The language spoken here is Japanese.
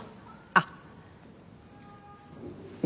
あっ。